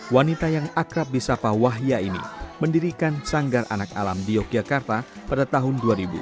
wanita yang akrab di sapa wahya ini mendirikan sanggar anak alam di yogyakarta pada tahun dua ribu